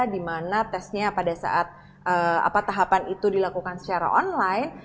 di mana tesnya pada saat tahapan itu dilakukan secara online